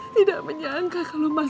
tidak menyangka kalau mas